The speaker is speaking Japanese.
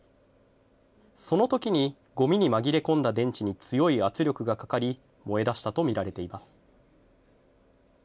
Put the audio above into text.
そのときにごみに紛れ込んだ電池に強い圧力がかかり、燃えだしたと見られています。